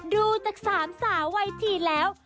ดูจากสามสาววัยทีแล้ว